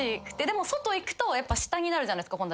でも外いくと下になるじゃないですか。